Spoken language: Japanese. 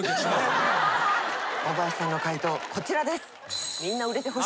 大林さんの回答こちらです。